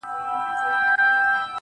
كه ملاقات مو په همدې ورځ وسو.